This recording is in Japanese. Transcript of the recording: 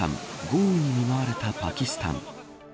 豪雨に見舞われたパキスタン。